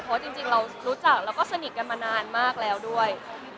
เพราะจริงเรารู้จักแล้วก็สนิทกันมานานมากแล้วด้วย